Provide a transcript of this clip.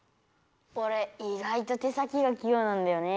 おれ意外と手先がき用なんだよね。